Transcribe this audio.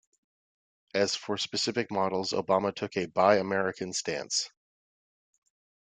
As for specific models, Obama took a buy-American stance.